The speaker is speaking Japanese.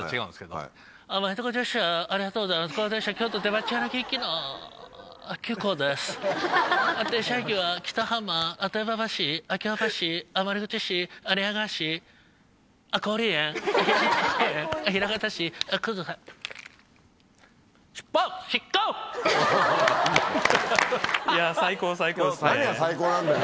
何が最高なんだよ。